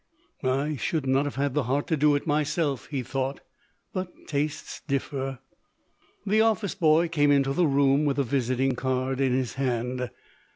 "I should not have had the heart to do it myself," he thought; "but tastes differ." The office boy came into the room, with a visiting card in his hand.